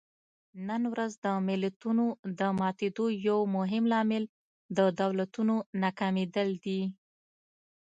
نن ورځ د ملتونو د ماتېدو یو مهم لامل د دولتونو ناکامېدل دي.